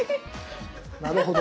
なるほど。